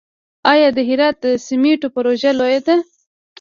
آیا د هرات د سمنټو پروژه لویه ده؟